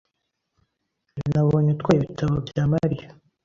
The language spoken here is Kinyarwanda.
Nabonye utwaye ibitabo bya Mariya .